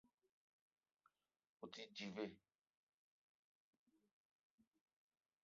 O te di ve?